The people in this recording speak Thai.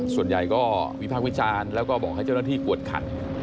ส่วนใหญ่ก็วิพากษ์วิจารณ์แล้วก็บอกให้เจ้าหน้าที่กวดขัน